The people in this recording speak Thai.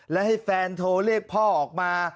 และให้แฟนโทรเรียกพ่อออกมา